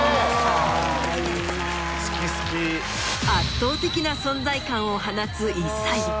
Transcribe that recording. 圧倒的な存在感を放つ異才